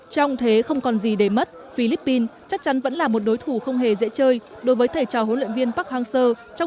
trong thế không còn gì để mất philippines chắc chắn vẫn là một đối thủ không hề dễ chơi đối với thể trò huấn luyện viên park hang seo